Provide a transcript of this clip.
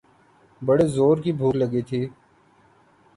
بڑے زورکی بھوک لگی تھی۔